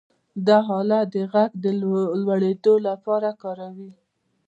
دا آله د غږ د لوړېدو لپاره کاروي.